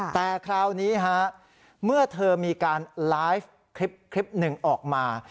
แต่คราวนี้เมื่อเธอมีการรายชีพคลิป๑ออกมา